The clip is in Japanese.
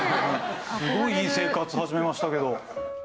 すごいいい生活始めましたけど。